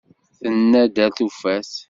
Tenna-d ar tufat.